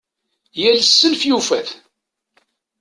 Yal ssenf yufa-t.